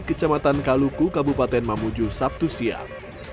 kecamatan kaluku kabupaten mamuju sabtu siang